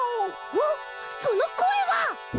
おっそのこえは！？